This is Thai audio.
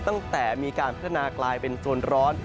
ตั้งแต่มีการพัฒนากลายเป็นโซนร้อน